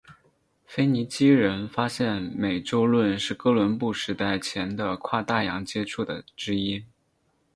腓尼基人发现美洲论是哥伦布时代前的跨大洋接触的之一。